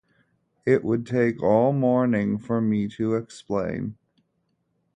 It would take all morning for me to explain.